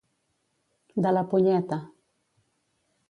De la punyeta.